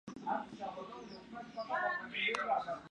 kati ya nchi mia moja themanini